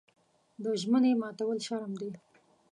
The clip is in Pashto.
د ژمنې ماتول شرم دی.